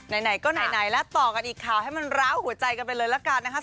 ไหนก็ไหนแล้วต่อกันอีกข่าวให้มันร้าวหัวใจกันไปเลยละกันนะคะ